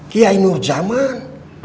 kiai nur zaman